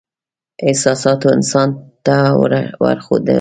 احساساتو انسان ته ور وښودل.